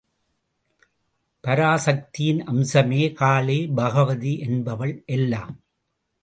பராசக்தியின் அம்சமே காளி, பகவதி என்பவள் எல்லாம்.